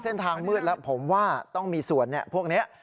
เส้นทางมืดแล้วผมว่าต้องมีส่วนพวกนี้